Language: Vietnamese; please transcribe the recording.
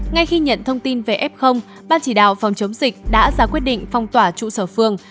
ngay khi nhận thông tin về f ban chỉ đạo phòng chống dịch đã ra quyết định phong tỏa trụ sở phường